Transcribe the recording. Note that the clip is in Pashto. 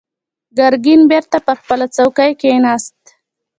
ګرګين بېرته پر خپله څوکۍ کېناست.